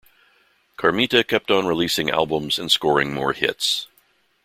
Carmita kept on releasing albums and scoring more hits.